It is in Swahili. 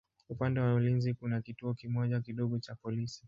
Upande wa ulinzi kuna kituo kimoja kidogo cha polisi.